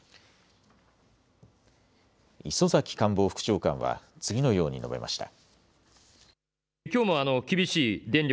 磯崎官房副長官は次のように述べました。